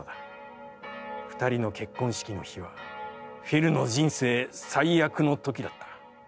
二人の結婚式の日は、フィルの人生最悪の時だった。